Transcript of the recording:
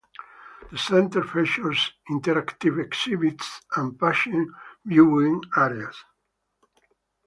The Center features interactive exhibits and patient viewing areas.